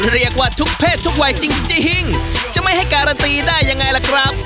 เรียกว่าทุกเพศทุกวัยจริงจะไม่ให้การันตีได้ยังไงล่ะครับ